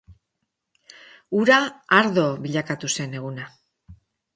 Ura ardo bilakatu zen eguna.